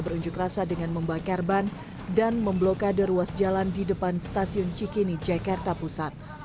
berunjuk rasa dengan membakar ban dan memblokade ruas jalan di depan stasiun cikini jakarta pusat